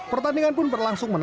pertandingan pun berlangsung menang